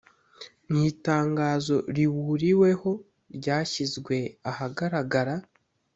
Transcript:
Mu itangazo rihuriweho ryashyizwe ahagaragara